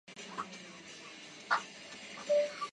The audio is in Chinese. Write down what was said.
没有完全发酵的新酒被称为发酵果酒。